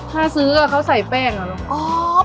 ถ้าซื้อเขาใส่แป้งอ่ะ